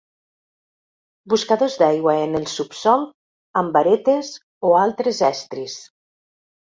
Buscadors d'aigua en el subsòl amb varetes o altres estris.